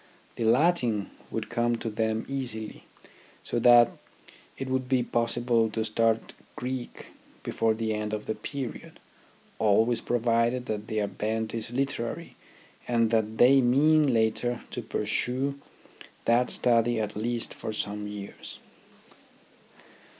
The Latin would come to them easily, so that it would be possible to start Greek before the end of the period, always provided that their bent is literary and that they mean later to pursue that study at least for some years.